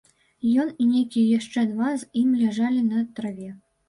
Ён і нейкія яшчэ два з ім ляжалі на траве.